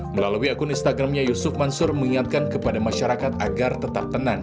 melalui akun instagramnya yusuf mansur mengingatkan kepada masyarakat agar tetap tenang